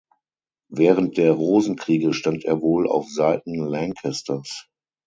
Während der Rosenkriege stand er wohl auf Seiten Lancasters.